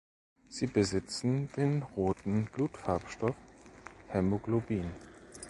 Sie besitzen den roten Blutfarbstoff Hämoglobin.